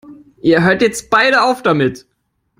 Ihr hört jetzt beide auf damit!